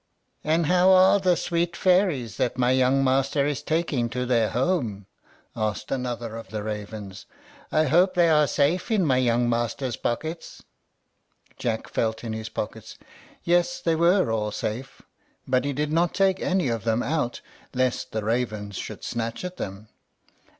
"And how are the sweet fairies that my young master is taking to their home?" asked another of the ravens. "I hope they are safe in my young master's pockets?" Jack felt in his pockets. Yes, they were all safe; but he did not take any of them out, lest the ravens should snatch at them.